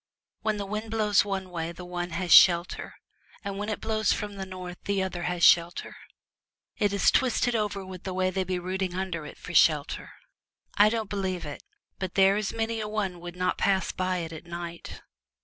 When the wind blows one way the one has shelter, and when it blows from the north the other has shelter. It is twisted over with the way they be rooting under it for shelter. I don't believe it, but there is many a one would not pass by it at night.'